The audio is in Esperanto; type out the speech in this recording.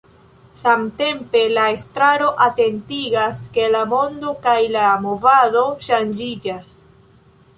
Samtempe la estraro atentigas, ke la mondo kaj la movado ŝanĝiĝas.